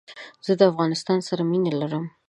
زه دافغانستان سره مينه لرم